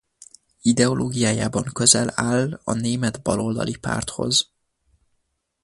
Ideológiájában közel áll a német Baloldali Párthoz.